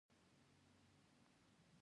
د ماشومانو نړۍ ډېره پاکه او بې غمه ده.